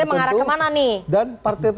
ini maksudnya mengarah kemana nih